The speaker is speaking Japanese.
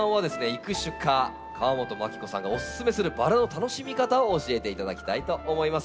育種家河本麻記子さんがおすすめするバラの楽しみ方を教えていただきたいと思います。